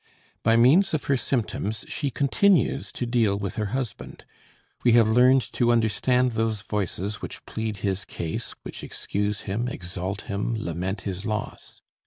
By means of her symptoms she continues to deal with her husband; we have learned to understand those voices which plead his case, which excuse him, exalt him, lament his loss.